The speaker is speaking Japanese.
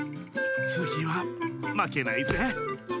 つぎはまけないぜ！